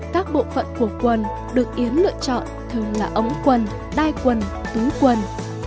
các bộ phận của quần được yến lựa chọn thường là ống quần đai quần túi quần